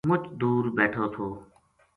مچ دور بیٹھو تھو